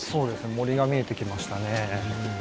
森が見えてきましたね。